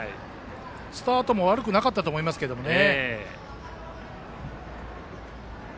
スタートも悪くなかったと思いますけどね。